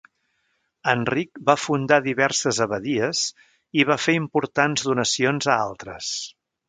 Enric va fundar diverses abadies i va fer importants donacions a altres.